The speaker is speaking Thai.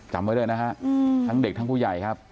จำไว้เลยนะฮะทั้งเด็กทั้งผู้ใหญ่ครับ